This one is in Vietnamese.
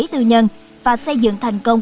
tư nhân và xây dựng thành công